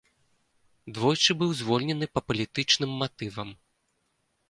Двойчы быў звольнены па палітычным матывам.